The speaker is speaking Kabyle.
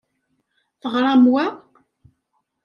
Teɣṛam wa?